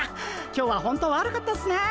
今日はほんと悪かったっすね。